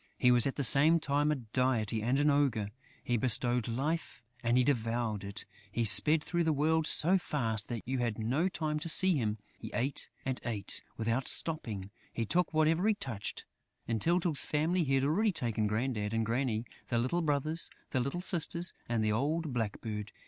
He was at the same time a deity and an ogre; he bestowed life and he devoured it; he sped through the world so fast that you had no time to see him; he ate and ate, without stopping; he took whatever he touched. In Tyltyl's family, he had already taken Grandad and Granny, the little brothers, the little sisters and the old blackbird!